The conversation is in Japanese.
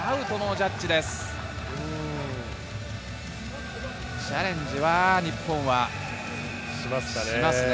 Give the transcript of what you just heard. チャレンジは日本はしますね。